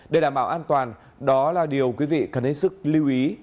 để đảm bảo an toàn đó là điều quý vị cần hết sức lưu ý